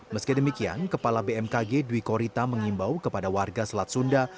meski demikian kepala bmkg dwi korita mengimbau kepada warga selat sunda